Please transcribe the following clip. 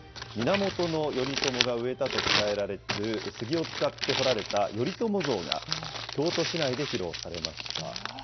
源頼朝が植えたと伝えられる杉を使って彫られた頼朝像が、京都市内で披露されました。